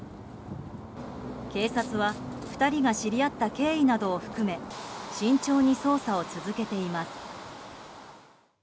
警察は２人が知り合った経緯などを含め慎重に捜査を続けています。